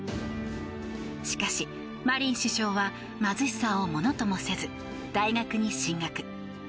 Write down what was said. しかし、マリン首相は貧しさをものともせず大学に進学。